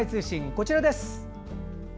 こちらです。